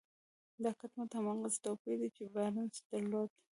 دا کټ مټ هماغسې توپير دی چې بارنس درلود.